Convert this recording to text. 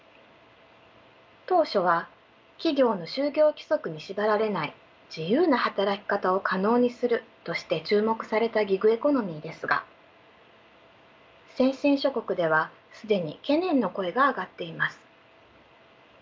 当初は企業の就業規則に縛られない自由な働き方を可能にするとして注目されたギグエコノミーですが先進諸国では既に懸念の声が上がっています。